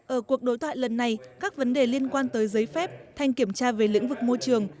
ở cuộc đối thoại lần này các vấn đề liên quan tới giấy phép thanh kiểm tra về lĩnh vực môi trường